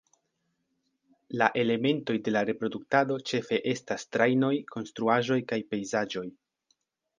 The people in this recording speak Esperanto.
La elementoj de la reproduktado ĉefe estas trajnoj, konstruaĵoj kaj pejzaĝoj.